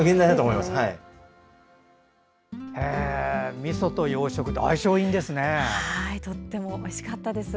みそと洋食って相性がいいんですね。